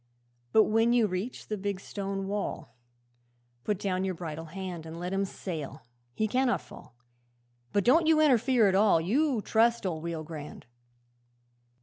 '"But when you reach the big stone wall, Put down your bridle hand And let him sail he cannot fall But don't you interfere at all; You trust old Rio Grande."